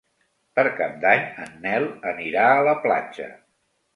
Per Cap d'Any en Nel anirà a la platja.